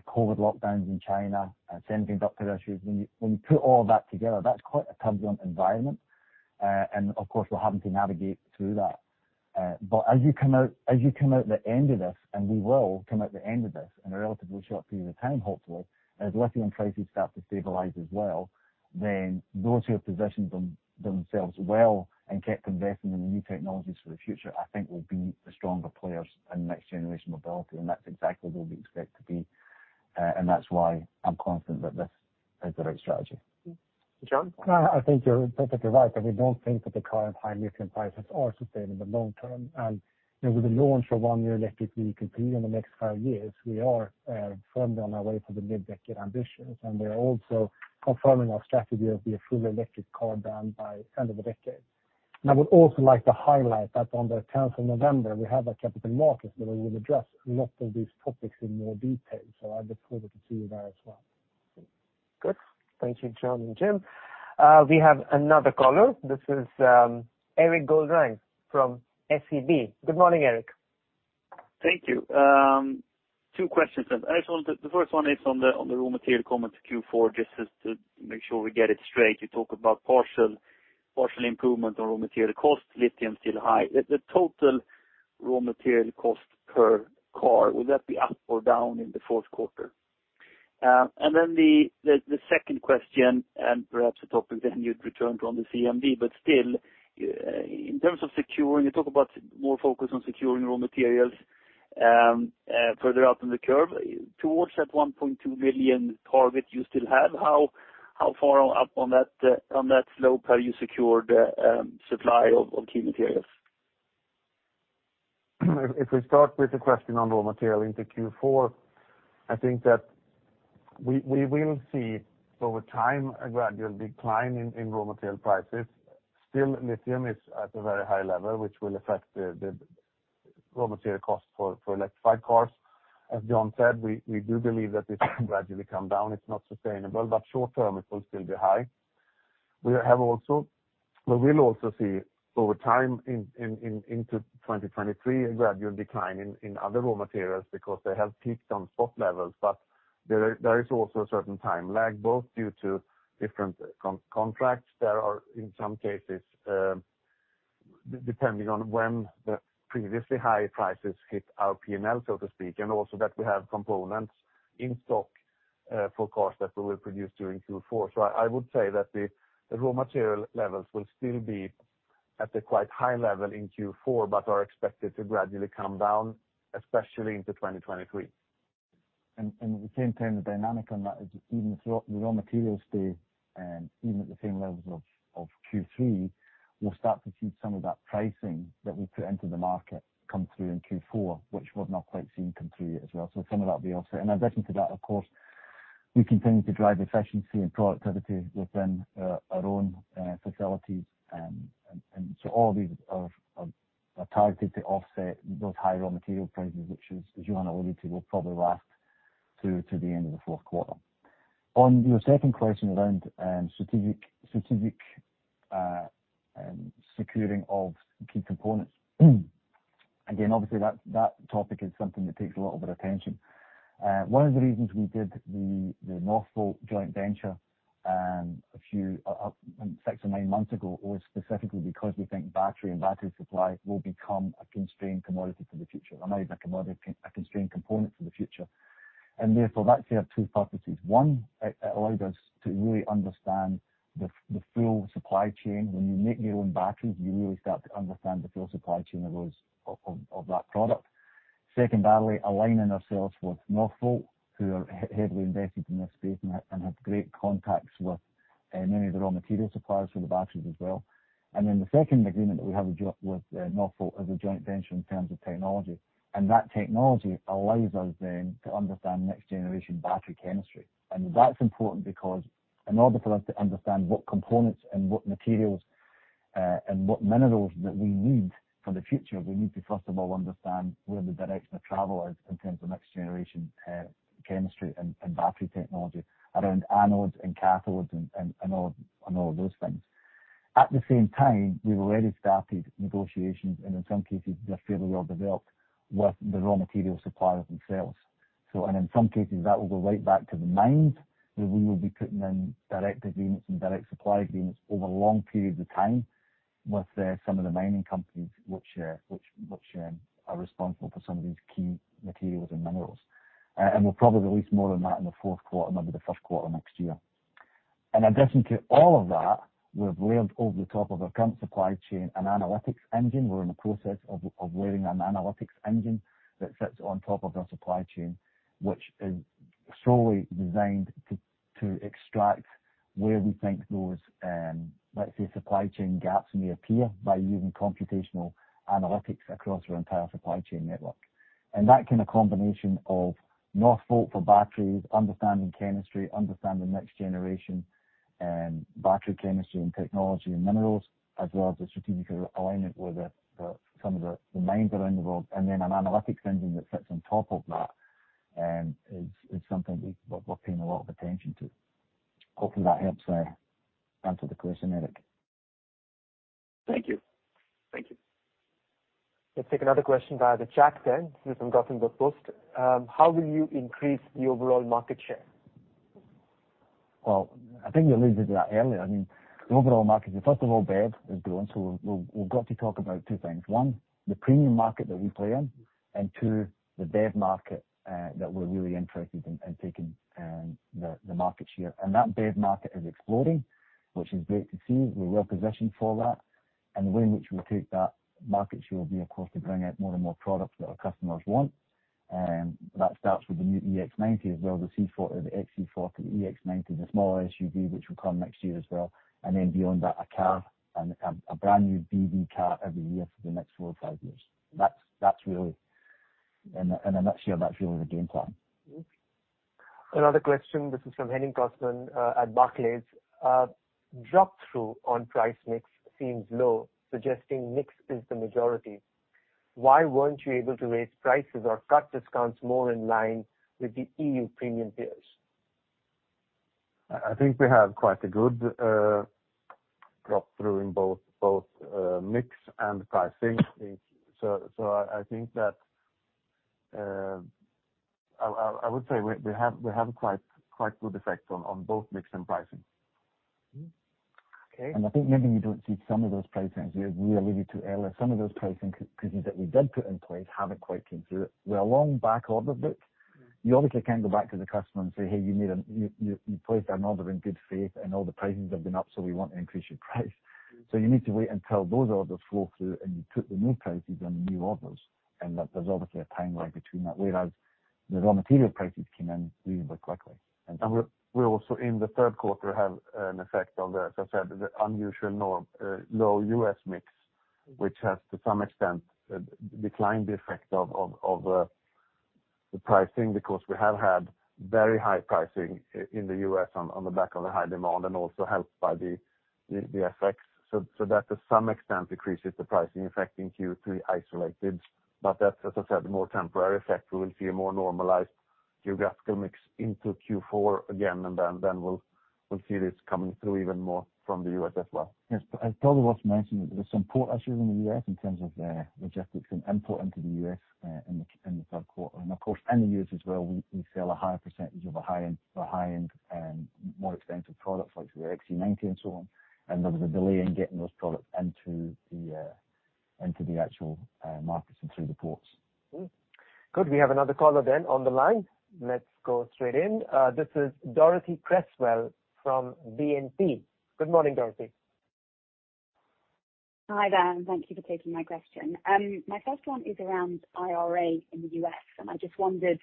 COVID lockdowns in China, semiconductor issues. When you put all that together, that's quite a turbulent environment. Of course we're having to navigate through that. As you come out the end of this, and we will come out the end of this in a relatively short period of time, hopefully, as lithium prices start to stabilize as well, then those who have positioned themselves well and kept investing in the new technologies for the future, I think will be the stronger players in next generation mobility, and that's exactly what we expect to be. That's why I'm confident that this is the right strategy. Johan? I think you're perfectly right, and we don't think that the current high lithium prices are sustainable long term. You know, with the launch of one new electric vehicle per year in the next five years, we are firmly on our way for the mid-decade ambitions. We are also confirming our strategy of the fully electric car by end of the decade. I would also like to highlight that on the tenth of November, we have our Capital Markets Day, where we will address a lot of these topics in more detail. I look forward to see you there as well. Good. Thank you, Johan and Jim. We have another caller. This is Erik Golrang from SEB. Good morning, Erik. Thank you. Two questions. Actually, the first one is on the raw material comment to Q4, just to make sure we get it straight. You talk about partial improvement on raw material costs, lithium still high. The total raw material cost per car, will that be up or down in the Q4? The second question and perhaps a topic then you'd return to on the CMD, but still, in terms of securing, you talk about more focus on securing raw materials further out in the curve. Towards that 1.2 million target you still have, how far up on that slope have you secured supply of key materials? If we start with the question on raw material into Q4, I think that we will see over time a gradual decline in raw material prices. Still, lithium is at a very high level, which will affect the raw material cost for electrified cars. As John said, we do believe that this will gradually come down. It's not sustainable, but short term it will still be high. We will also see over time into 2023 a gradual decline in other raw materials because they have peaked on spot levels. There is also a certain time lag, both due to different contracts. There are in some cases, depending on when the previously high prices hit our PNL, so to speak, and also that we have components in stock, for cars that we will produce during Q4. I would say that the raw material levels will still be at a quite high level in Q4, but are expected to gradually come down, especially into 2023. At the same time, the dynamic on that is even if the raw materials stay even at the same levels of Q3, we'll start to see some of that pricing that we put into the market come through in Q4, which we've not quite seen come through yet as well. Some of that will be offset. In addition to that, of course, we continue to drive efficiency and productivity within our own facilities. All these are targeted to offset those higher raw material prices, which as Johan alluded to, will probably last to the end of the Q4. On your second question around strategic securing of key components. Again, obviously, that topic is something that takes a lot of our attention. One of the reasons we did the Northvolt joint venture a few six or nine months ago was specifically because we think battery supply will become a constrained commodity for the future, or maybe a commodity, a constrained component for the future. Therefore that served two purposes. One, it allowed us to really understand the full supply chain. When you make your own batteries, you really start to understand the full supply chain that goes into that product. Secondly, aligning ourselves with Northvolt, who are heavily invested in this space and have great contacts with many of the raw material suppliers for the batteries as well. Then the second agreement that we have with Northvolt is a joint venture in terms of technology. That technology allows us then to understand next generation battery chemistry. That's important because in order for us to understand what components and what materials, and what minerals that we need for the future, we need to first of all understand where the direction of travel is in terms of next generation, chemistry and battery technology around anodes and cathodes and all of those things. At the same time, we've already started negotiations, and in some cases they're fairly well developed, with the raw material suppliers themselves. In some cases that will go right back to the mine, where we will be putting in direct agreements and direct supply agreements over long periods of time with some of the mining companies which are responsible for some of these key materials and minerals. We'll probably release more on that in the Q4, maybe the Q1 next year. In addition to all of that, we've layered over the top of our current supply chain an analytics engine. We're in the process of layering an analytics engine that sits on top of our supply chain, which is solely designed to extract where we think those, let's say, supply chain gaps may appear by using computational analytics across our entire supply chain network. That kind of combination of Northvolt for batteries, understanding chemistry, understanding next generation battery chemistry and technology and minerals, as well as the strategic alignment with some of the mines around the world, and then an analytics engine that sits on top of that, is something we're paying a lot of attention to. Hopefully that helps answer the question, Erik. Thank you. Thank you. Let's take another question via the chat then. This is from Göteborgs-Posten. How will you increase the overall market share? Well, I think we alluded to that earlier. I mean, the overall market is first of all, BEV is growing. We've got to talk about two things. One, the premium market that we play in, and two, the BEV market that we're really interested in taking the market share. That BEV market is exploding, which is great to see. We're well positioned for that. The way in which we'll take that market share will be of course, to bring out more and more products that our customers want. That starts with the new EX90 as well, the C40, the XC40, EX90, the smaller SUV which will come next year as well. Then beyond that, a car and a brand new BEV car every year for the next four or five years. That's really. In the next year, that's really the game plan. Another question. This is from Henning Cosman at Barclays. Drop-through on price mix seems low, suggesting mix is the majority. Why weren't you able to raise prices or cut discounts more in line with the EU premium peers? I think we have quite a good drop-through in both mix and pricing. I think that I would say we have quite good effects on both mix and pricing. Mm-hmm. Okay. I think maybe you don't see some of those price changes. We are really too early. Some of those pricing changes that we did put in place haven't quite come through. We have a long back order book. You obviously can't go back to the customer and say, "Hey, you placed an order in good faith, and all the pricings have been up, so we want to increase your price." You need to wait until those orders flow through, and you put the new prices on the new orders, and there's obviously a timeline between that, whereas the raw material prices came in really quickly. We're also in the Q3 have an effect of the, as I said, the unusually low U.S. mix, which has to some extent declined the effect of the pricing because we have had very high pricing in the U.S. on the back of the high demand and also helped by the FX effects. So that to some extent decreases the pricing effect in Q3 isolated. But that's, as I said, more temporary effect. We will see a more normalized geographical mix into Q4 again, and then we'll see this coming through even more from the U.S. as well. Yes. It's probably worth mentioning that there's some port issues in the U.S. in terms of logistics and import into the U.S. in the Q3. Of course, in the U.S. as well, we sell a higher percentage of a high-end more expensive products like the XC90 and so on. There was a delay in getting those products into the actual markets and through the ports. Mm-hmm. Good. We have another caller then on the line. Let's go straight in. This is Dorothee Cresswell from BNP. Good morning, Dorothee. Hi there, thank you for taking my question. My first one is around IRA in the U.S., and I just wondered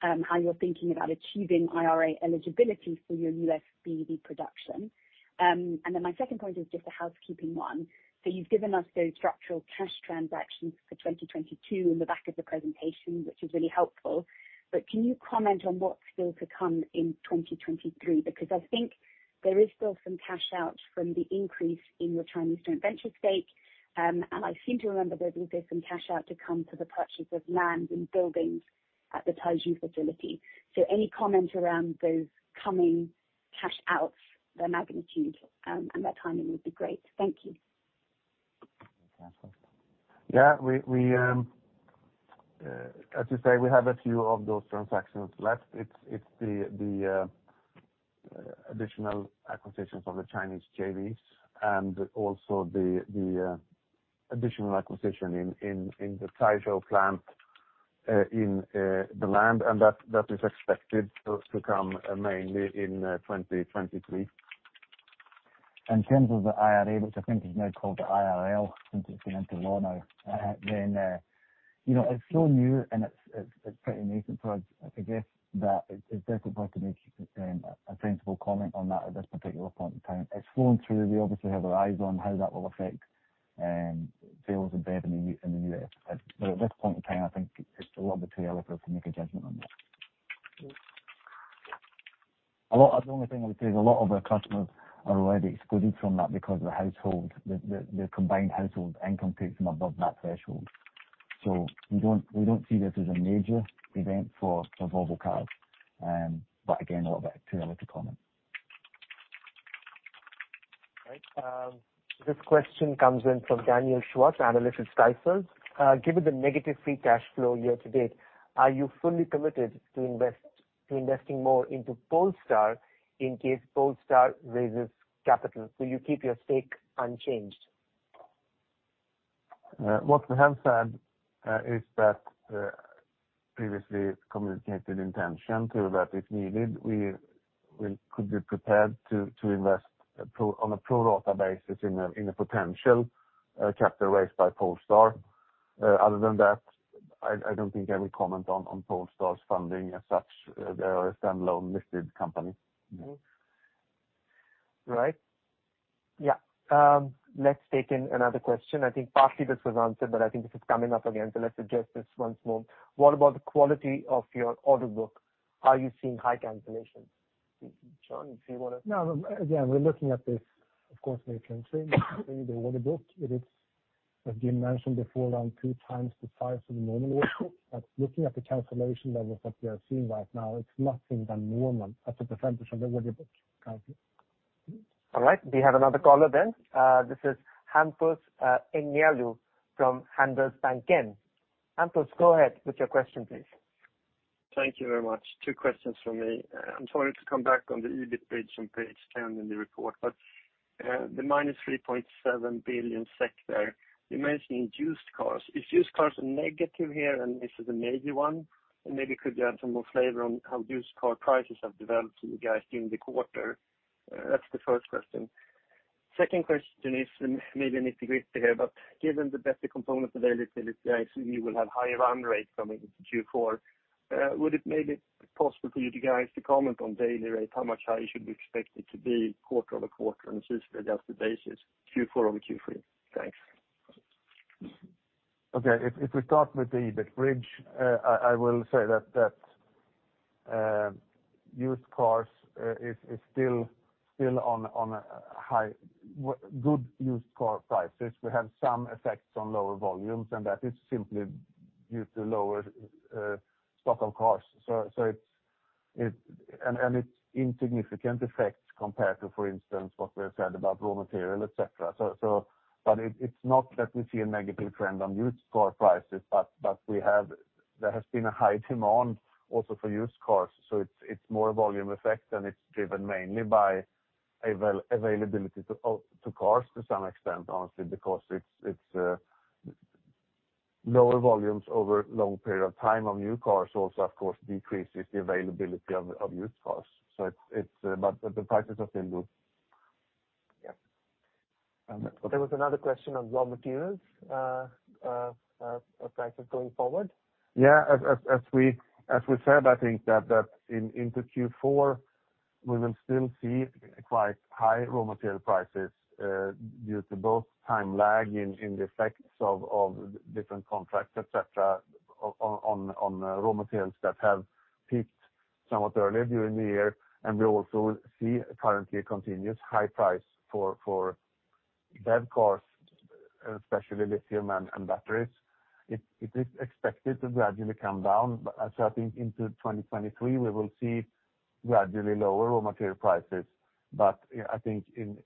how you're thinking about achieving IRA eligibility for your U.S. BEV production. My second point is just a housekeeping one. You've given us those structural cash transactions for 2022 in the back of the presentation, which is really helpful. Can you comment on what's still to come in 2023? Because I think there is still some cash out from the increase in your Chinese joint venture stake. I seem to remember there will be some cash out to come to the purchase of lands and buildings at the Taizhou facility. Any comment around those coming cash outs, their magnitude, and their timing would be great. Thank you. As you say, we have a few of those transactions left. It's the additional acquisitions of the Chinese JVs and also the additional acquisition in the Taizhou plant in the land, and that is expected to come mainly in 2023. In terms of the IRA, which I think is now called the IRL, since it's passed into law now, it's so new and it's pretty nascent for us. I guess that it's difficult to make a sensible comment on that at this particular point in time. It's flowing through. We obviously have our eyes on how that will affect sales of BEV in the U.S. At this point in time, I think it's a little bit too early for us to make a judgment on that. Cool. The only thing I would say is a lot of our customers are already excluded from that because their household, their combined household income takes them above that threshold. We don't see this as a major event for Volvo Cars. Again, a little bit too early to comment. Right. This question comes in from Daniel Schwarz, analyst at Stifel. Given the negative free cash flow year to date, are you fully committed to investing more into Polestar in case Polestar raises capital? Will you keep your stake unchanged? What we have said is that previously communicated intention that if needed, we could be prepared to invest on a pro rata basis in a potential capital raise by Polestar. Other than that, I don't think I will comment on Polestar's funding as such. They are a standalone listed company. Right. Yeah. Let's take in another question. I think partly this was answered, but I think this is coming up again, so let's address this once more. What about the quality of your order book? Are you seeing high cancellations? Johan, if you wanna No. Again, we're looking at this, of course, very carefully. The order book, it is, as has been mentioned before, around 2 times the size of the normal order. Looking at the cancellation levels that we are seeing right now, it's nothing other than normal as a percentage of the order book. All right. We have another caller. This is Hampus Engellau from Handelsbanken. Hampus, go ahead with your question, please. Thank you very much. Two questions from me. I'm sorry to come back on the EBIT page on page 10 in the report, but the minus 3.7 billion there, you're mentioning used cars. If used cars are negative here, and this is a major one, and maybe could you add some more flavor on how used car prices have developed for you guys during the quarter? That's the first question. Second question is maybe a nitty-gritty here, but given the better component availability, I assume you will have higher run rates coming into Q4. Would it maybe possible for you to guide us to comment on daily rate, how much higher should we expect it to be quarter-over-quarter on an adjusted basis, Q4 over Q3? Thanks. Okay, if we start with the EBIT bridge, I will say that used cars is still on a high with good used car prices. We have some effects on lower volumes, and that is simply due to lower stock on cars. It's insignificant effects compared to, for instance, what we have said about raw material, et cetera. But it's not that we see a negative trend on used car prices, but we have. There has been a high demand also for used cars, it's more a volume effect than it's driven mainly by availability to cars to some extent, honestly, because it's lower volumes over long period of time on new cars also, of course, decreases the availability of used cars. The prices are still good. Yeah. Okay. There was another question on raw materials, prices going forward. Yeah. As we said, I think that into Q4, we will still see quite high raw material prices due to both time lag in the effects of different contracts, et cetera, on raw materials that have peaked somewhat earlier during the year. We also see currently a continuous high price for BEV cars, especially lithium and batteries. It is expected to gradually come down. I think into 2023 we will see gradually lower raw material prices. I think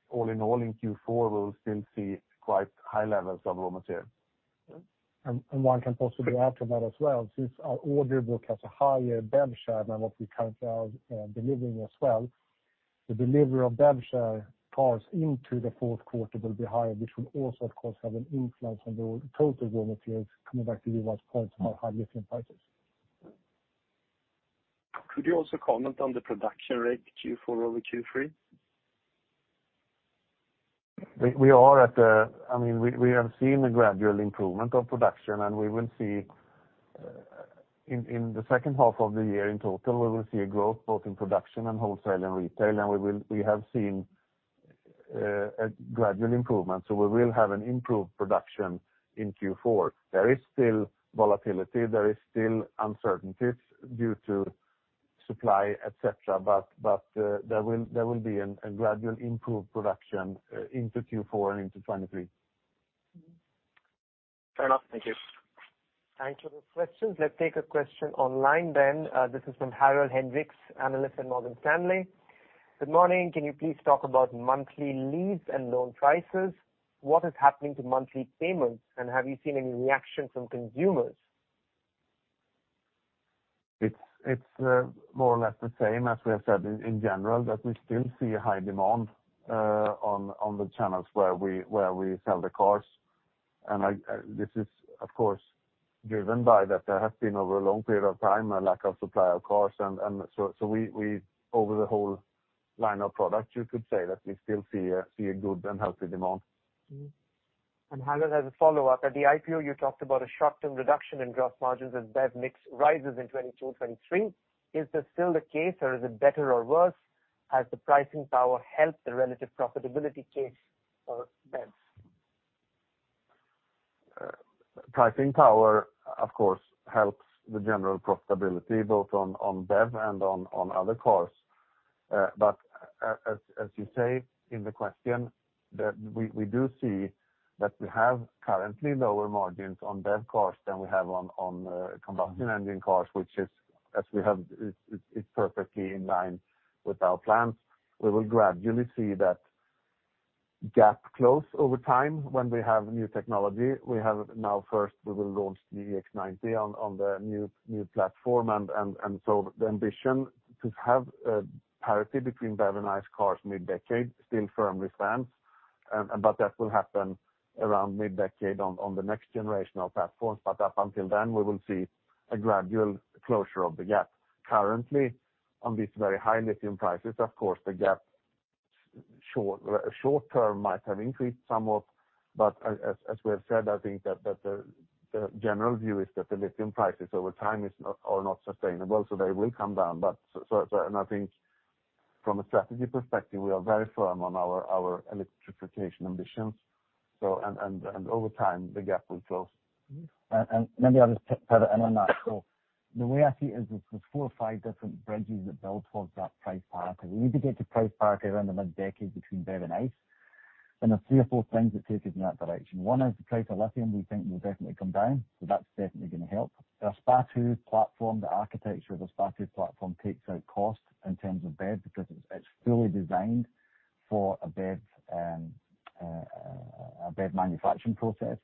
all in all, in Q4 we'll still see quite high levels of raw material. Yeah. One can possibly add to that as well, since our order book has a higher BEV share than what we currently are delivering as well, the delivery of BEV share cars into the Q4 will be higher, which will also of course have an influence on the total raw materials, coming back to your point about high lithium prices. Yeah. Could you also comment on the production rate Q4 over Q3? We are seeing a gradual improvement of production, and we will see in the second half of the year in total a growth both in production and wholesale and retail. We have seen a gradual improvement. We will have an improved production in Q4. There is still volatility. There is still uncertainty due to supply, et cetera. There will be a gradual improved production into Q4 and into 2023. Fair enough. Thank you. Thank you for the questions. Let's take a question online then. This is from Harald Hendrikse, Analyst at Morgan Stanley. Good morning. Can you please talk about monthly lease and loan prices? What is happening to monthly payments, and have you seen any reaction from consumers? It's more or less the same as we have said in general, that we still see a high demand on the channels where we sell the cars. This is of course driven by that there has been over a long period of time a lack of supply of cars. We, over the whole line of products, you could say that we still see a good and healthy demand. Harald has a follow-up. At the IPO, you talked about a short-term reduction in gross margins as BEV mix rises in 2022, 2023. Is this still the case or is it better or worse? Has the pricing power helped the relative profitability case for BEVs? Pricing power, of course, helps the general profitability both on BEV and on other cars. As you say in the question, we do see that we have currently lower margins on BEV cars than we have on combustion engine cars, which is perfectly in line with our plans. We will gradually see that gap close over time when we have new technology. We will first launch the EX90 on the new platform. The ambition to have a parity between BEV and ICE cars mid-decade still firmly stands, but that will happen around mid-decade on the next generational platforms. Up until then, we will see a gradual closure of the gap. Currently, on these very high lithium prices, of course, the gap short term might have increased somewhat, but as we have said, I think that the general view is that the lithium prices over time are not sustainable, so they will come down. I think from a strategy perspective, we are very firm on our electrification ambitions, and over time, the gap will close. Mm-hmm. Maybe I'll just add on that. The way I see it is there's four or five different bridges that build towards that price parity. We need to get to price parity around the mid-decade between BEV and ICE, and there's three or four things that take us in that direction. One is the price of lithium we think will definitely come down, so that's definitely going to help. The SPA2 platform, the architecture of the SPA2 platform takes out cost in terms of BEV because it's fully designed for a BEV manufacturing process,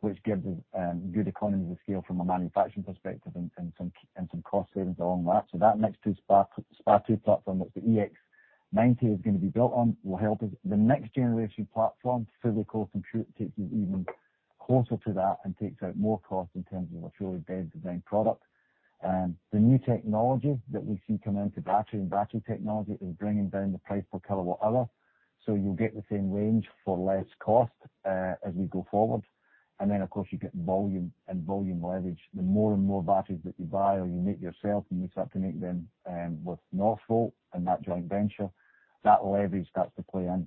which gives us good economies of scale from a manufacturing perspective and some cost savings along that. That next SPA2 platform that the EX90 is going to be built on will help us. The next generation platform, physicals and compute, takes us even closer to that and takes out more cost in terms of a truly BEV-designed product. The new technology that we see come into battery and battery technology is bringing down the price per kilowatt hour, so you'll get the same range for less cost, as we go forward. Of course, you get volume and volume leverage. The more and more batteries that you buy or you make yourself, and you start to make them, with Northvolt and that joint venture, that leverage starts to play in.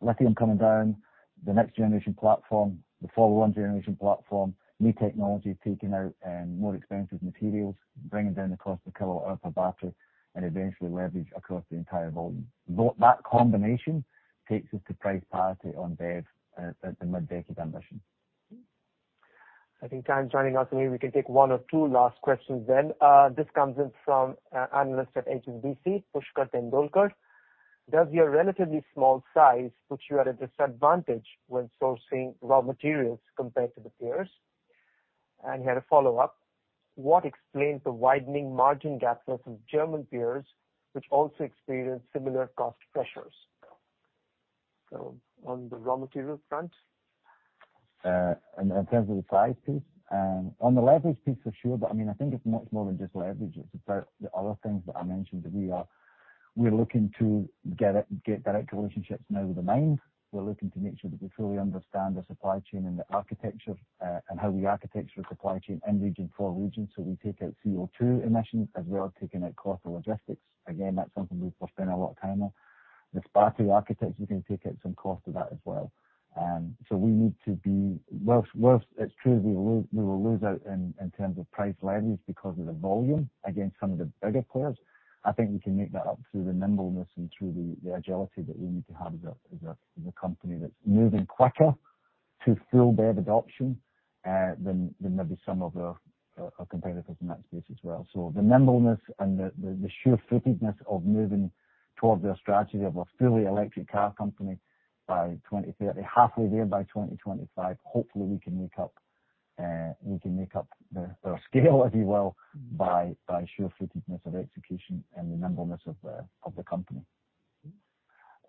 Lithium coming down, the next generation platform, the follow-on generation platform, new technology taking out and more expensive materials, bringing down the cost per kilowatt hour per battery, and eventually leverage across the entire volume. Though that combination takes us to price parity on BEV at the mid-decade ambition. I think it's time. Joining us today, we can take one or two last questions then. This comes in from an analyst at HSBC, Pushkar Tendolkar. Does your relatively small size put you at a disadvantage when sourcing raw materials compared to the peers? And he had a follow-up. What explains the widening margin gap versus German peers, which also experienced similar cost pressures? On the raw material front. In terms of the price piece, on the leverage piece for sure. I mean, I think it's much more than just leverage. It's about the other things that I mentioned that we are looking to get direct relationships now with the mines. We're looking to make sure that we truly understand the supply chain and the architecture, and how we architect the supply chain in region, for region. We take out CO2 emissions as we are taking out cost of logistics. Again, that's something we're spending a lot of time on. This battery architecture, you can take out some cost of that as well. Whilst it's true we will lose out in terms of price leverage because of the volume against some of the bigger players. I think we can make that up through the nimbleness and through the agility that we need to have as a company that's moving quicker to fuel BEV adoption than maybe some of our competitors in that space as well. The nimbleness and the sheer fitness of moving towards their strategy of a fully electric car company by 2025. They're halfway there by 2025. Hopefully we can make up the scale, if you will, by sheer fitness of execution and the nimbleness of the company.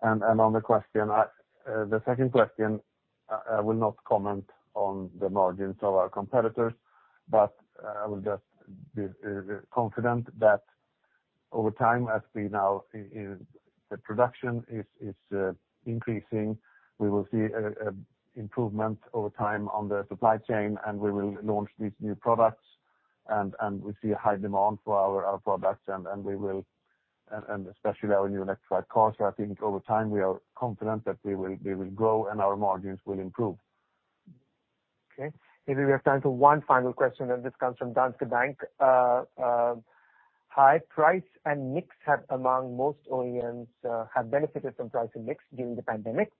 On the second question, I will not comment on the margins of our competitors, but I will just be confident that over time, as production is increasing, we will see an improvement over time on the supply chain, and we will launch these new products. We see a high demand for our products, and especially our new electrified cars. I think over time, we are confident that we will grow and our margins will improve. Okay. Maybe we have time for one final question, and this comes from Danske Bank. High price and mix have, among most OEMs, benefited from price and mix during the pandemic.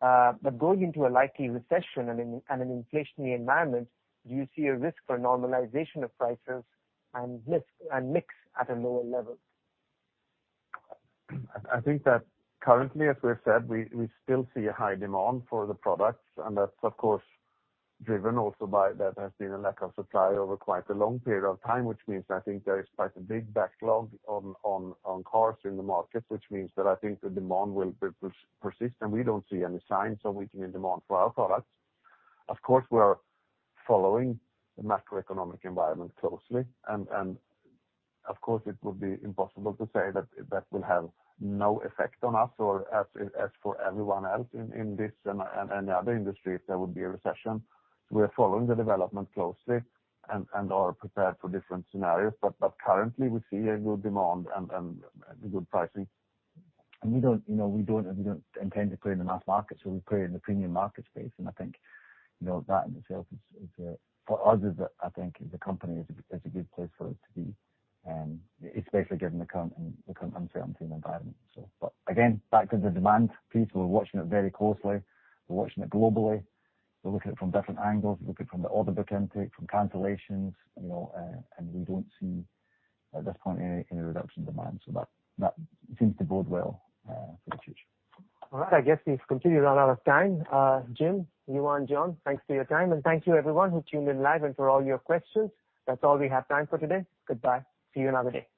But going into a likely recession and an inflationary environment, do you see a risk for normalization of prices and mix at a lower level? I think that currently, as we have said, we still see a high demand for the products. That's of course driven also by there has been a lack of supply over quite a long period of time, which means I think there is quite a big backlog on cars in the market, which means that I think the demand will persist, and we don't see any signs of weakening demand for our products. Of course, we are following the macroeconomic environment closely and of course it would be impossible to say that that will have no effect on us or as for everyone else in this and other industries, there will be a recession. We are following the development closely and are prepared for different scenarios, but currently we see a good demand and good pricing. We don't intend to play in the mass market, so we play in the premium market space. I think that in itself is for us as a company a good place for us to be, especially given the current uncertainty environment. But again, back to the demand piece, we're watching it very closely. We're watching it globally. We're looking at it from different angles. We're looking from the order book intake, from cancellations, you know, and we don't see at this point any reduction in demand. That seems to bode well for the future. All right. I guess we've completely run out of time. Jim, Johan, Jon, thanks for your time, and thank you everyone who tuned in live and for all your questions. That's all we have time for today. Goodbye. See you another day.